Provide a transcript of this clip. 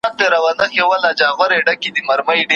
چي ورور مي د خورلڼي ناوکۍ د پلو غل دی